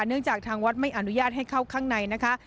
เนื่องจากทางวัดไม่อนุญาตให้เข้าข้างในนะคะ